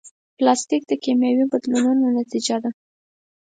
پلاستيک د کیمیاوي بدلونونو نتیجه ده.